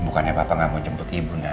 bukannya papa gak mau jemput ibu